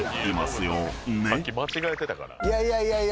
さっき間違えてたから。